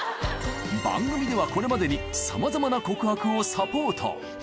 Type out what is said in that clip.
番組ではこれまでにさまざまな告白をサポート。